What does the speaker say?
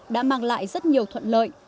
đã mang lại rất nhiều thuận lợi